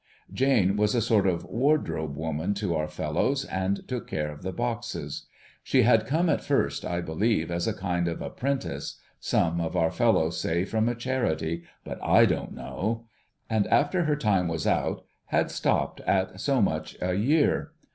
Jane was a sort of wardrobe woman to our fellows, and took care of the boxes. She had come at first, I believe, as a kind of apprentice — some of our fellows say from a Charity, but / don't know — and after her time was out, had stopped at so much a year.